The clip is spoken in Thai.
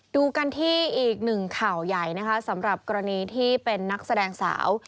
ดูกันที่อีกหนึ่งข่าวใหญ่นะคะสำหรับกรณีที่เป็นนักแสดงสาว